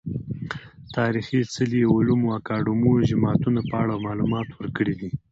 تاريخي څلي، علومو اکادميو، جوماتونه په اړه معلومات ورکړي دي .